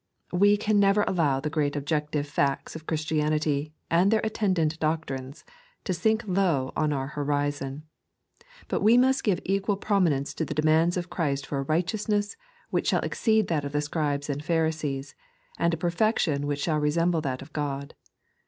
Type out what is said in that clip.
We can never allow the great objective iiictB of Christianity, and their attendant doctrines, to sink low on our horizon ; but we must give equal prominence to the demands of Christ for a righteousness which shall exceed that of the Scribes and Pharisees, and a perfec tion which shall resemble that of God.